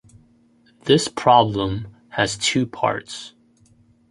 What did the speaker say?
This problem has two parts.